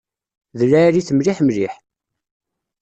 D lɛali-t mliḥ mliḥ.